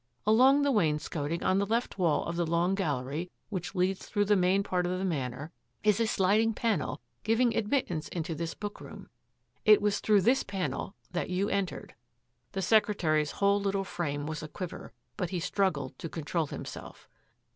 Along the wainscoting on the left wall of the long gallery which leads through the main part of the Manor is a sliding panel giving admit tance into this bookroom. It was through this panel that you entered." The secretary's whole little frame was a quiver, but he struggled to control himself.